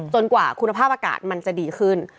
กว่าคุณภาพอากาศมันจะดีขึ้น